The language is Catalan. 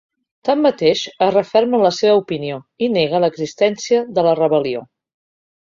Tanmateix, es referma en la seva opinió i nega l’existència de la rebel·lió.